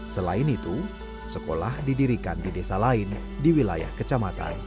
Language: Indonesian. selain itu sekolah didirikan di desa lain di wilayah kecamatan